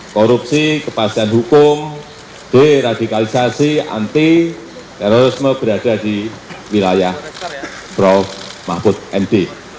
korupsi kepastian hukum deradikalisasi anti terorisme berada di wilayah prof mahfud md